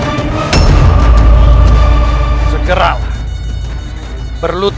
jika aku seorang penakut